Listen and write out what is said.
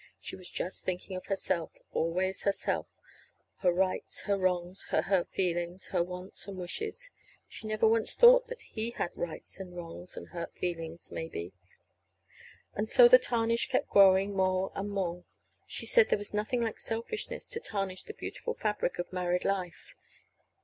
She was just thinking of herself always herself; her rights, her wrongs, her hurt feelings, her wants and wishes. She never once thought that he had rights and wrongs and hurt feelings, maybe. And so the tarnish kept growing more and more. She said there was nothing like selfishness to tarnish the beautiful fabric of married life.